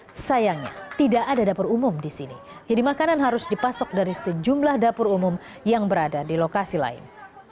tapi sayangnya tidak ada dapur umum di sini jadi makanan harus dipasok dari sejumlah dapur umum yang berada di lokasi lain